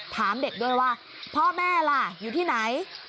ถามเด็กด้วยว่าพ่อแม่ล่ะอยู่ที่ไหน